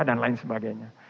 dan lain sebagainya